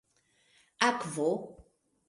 akvo